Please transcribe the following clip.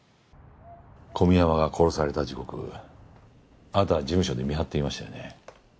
小宮山が殺された時刻あなたは事務所で見張っていましたよね。